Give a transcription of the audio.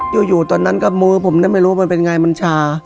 อยู่ตอนนั้นกับมือผมไม่รู้มันเป็นไงมันชา